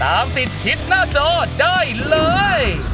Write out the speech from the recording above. ตามติดทิศหน้าจอได้เลย